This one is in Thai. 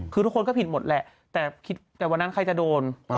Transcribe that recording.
คือทุกคนก็ผิดหมดแหละแต่คิดแต่วันนั้นใครจะโดน